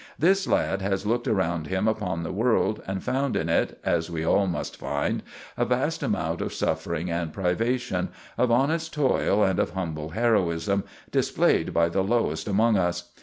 This lad has looked around him upon the world, and found in it, as we all must find, a vast amount of suffering and privation, of honest toil and of humble heroism, displayed by the lowest among us.